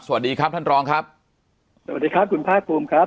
สวัสดีครับท่านรองครับสวัสดีครับคุณภาคภูมิครับ